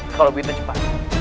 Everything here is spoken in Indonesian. kalau begitu cepat